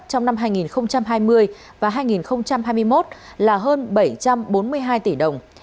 trong năm hai nghìn hai mươi và hai nghìn hai mươi một là hơn bảy trăm bốn mươi hai tỷ đồng